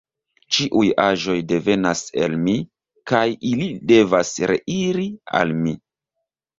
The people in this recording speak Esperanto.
Ĉiuj aĵoj devenas el Mi, kaj ili devas reiri al Mi.